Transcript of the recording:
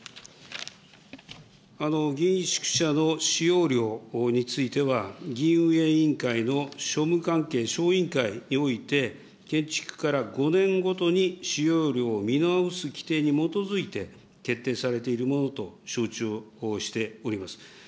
議員宿舎の使用料については、議院運営委員会の庶務関係小委員会において建築から５年ごとに使用料を見直す規定に基づいて決定されているものと承知をしております。